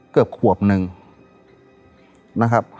เกือบขวบหนึ่งนะครับ